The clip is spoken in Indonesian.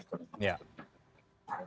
memang ya kita juga dihalangi oleh